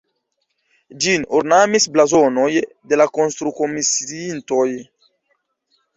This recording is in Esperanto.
Ĝin ornamis blazonoj de la konstrukomisiintoj.